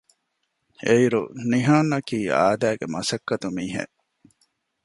އެއިރު ނިހާންއަކީ އާދައިގެ މަސައްކަތު މީހެއް